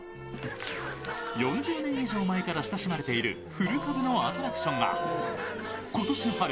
４０年以上前から親しまれている古株のアトラクションが今年の春